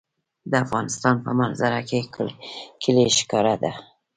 د افغانستان په منظره کې کلي ښکاره ده.